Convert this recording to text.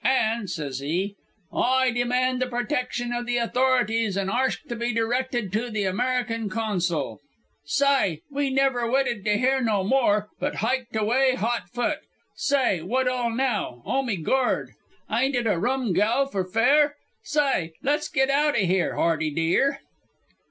An',' s'ys he, 'I demand the protection o' the authorities an' arsk to be directed to the American consul.' "S'y, we never wyted to hear no more, but hyked awye hot foot. S'y, wot all now. Oh, mee Gord! eyen't it a rum gao for fair? S'y, let's get aout o' here, Hardy, dear."